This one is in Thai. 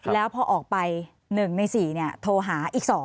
แล้วพอออกไป๑ใน๔โทรหาอีก๒